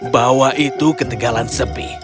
bawa itu ke tegalan sepi